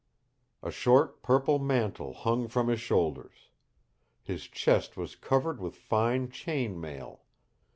"A short purple mantle hung from his shoulders. His chest was covered with fine chain mail.